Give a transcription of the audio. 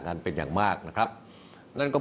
วันนี้นั้นผมจะมาพูดคุยกับทุกท่าน